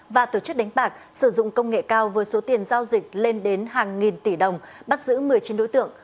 và tổ chức đánh bạc sử dụng công nghệ cao với số tiền giao dịch lên đến hàng nghìn tỷ đồng bắt giữ một mươi chín đối tượng